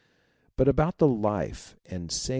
But about the life and say